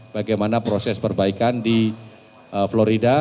bagaimana proses perbaikan di florida